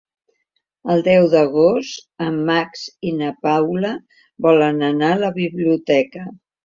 El deu d'agost en Max i na Paula volen anar a la biblioteca.